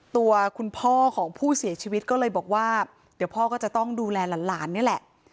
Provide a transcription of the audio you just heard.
ตัวคุณพ่อของผู้เสียชีวิตก็เลยบอกว่าเดี๋ยวพ่อก็จะต้องดูแลหลานนี่แหละ